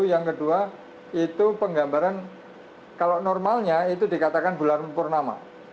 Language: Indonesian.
yang kedua itu penggambaran kalau normalnya itu dikatakan bulan purnama